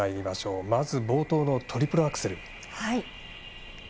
まず冒頭のトリプルアクセル。